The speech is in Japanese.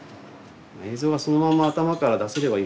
映像がそのまま頭から出せればいいんですけどね